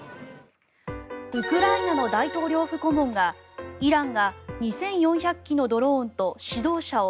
ウクライナの大統領府顧問がイランが２４００機のドローンを